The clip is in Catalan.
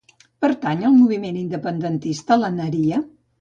Pertany al moviment independentista la Naria?